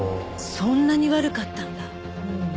そんなに悪かったんだ。